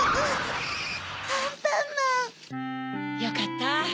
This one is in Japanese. よかった